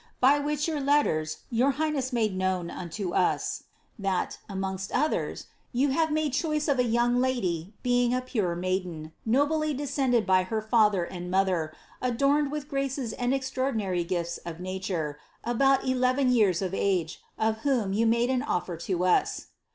By which your letters youi highness made known unto us, that, amongst others, you have made choice of a fcung lady being a pure maiden, nobly descended by father and mother, adorned with graces and extraordinary gifts of nature, about eleyen years of age. of whom joa made an ofler to as.